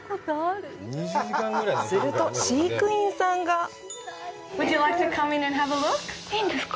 すると、飼育員さんがいいんですか！？